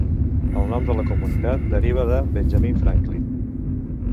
El nom de la comunitat deriva de Benjamin Franklin.